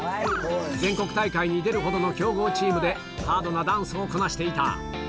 全国大会に出るほどの強豪チームで、ハードなダンスをこなしていた。